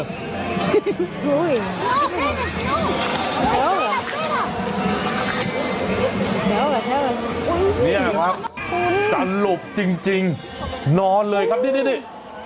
นี่แหละครับจันหลุบจริงจริงนอนเลยครับนี่นี่นี่